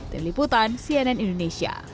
terliputan cnn indonesia